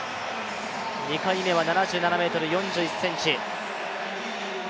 ２回目は７７ｍ４１ｃｍ。